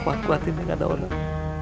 kuat kuat ini enggak ada orang